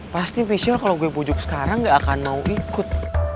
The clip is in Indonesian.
pasti facial kalau gue pujuk sekarang gak akan mau ikut